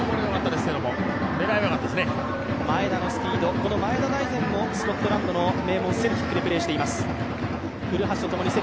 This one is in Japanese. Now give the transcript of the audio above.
前田大然もスコットランドの名門、セルティックでプレーしています。